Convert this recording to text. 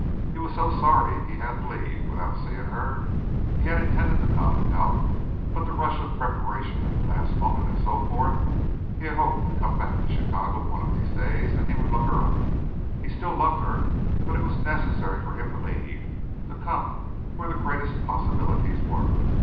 He was so sorry he had to leave without seeing her. He had intended to come out but the rush of preparation at the last moment, and so forth; he hoped to come back to Chicago one of these days and he would look her up. He still loved her, but it was necessary for him to leave to come where the greatest possibilities were.